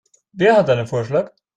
Wer hat einen Vorschlag?